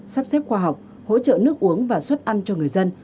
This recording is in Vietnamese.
sắp xếp khoa học hỗ trợ nước uống và suất ăn cho người dân